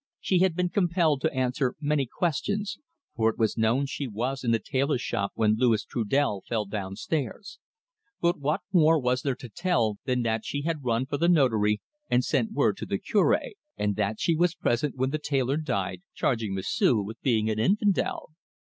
She had been compelled to answer many questions, for it was known she was in the tailor's house when Louis Trudel fell down stairs, but what more was there to tell than that she had run for the Notary, and sent word to the Cure, and that she was present when the tailor died, charging M'sieu' with being an infidel?